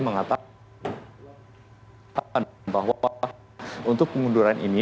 mengatakan bahwa untuk pengunduran ini